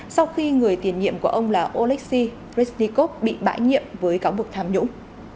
sau khi người tiền nhiệm của ông là oleksiy ryshnikov bị bãi nhiệm với cáo buộc tham nhũng